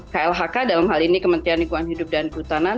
klhk dalam hal ini kementerian lingkungan hidup dan kehutanan